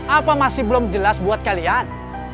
apa masih belum jelas buat kalian